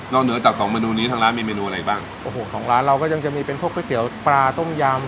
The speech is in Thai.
เหนือจากสองเมนูนี้ทางร้านมีเมนูอะไรบ้างโอ้โหของร้านเราก็ยังจะมีเป็นพวกก๋วยเตี๋ยวปลาต้มยำ